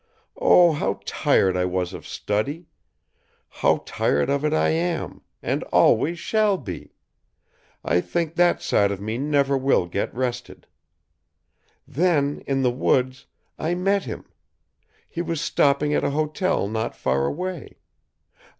Oh, how tired I was of study! How tired of it I am, and always shall be! I think that side of me never will get rested. Then, in the woods, I met him. He was stopping at a hotel not far away.